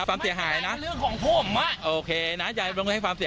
ไม่ใหญ่ใช่ไหมของผม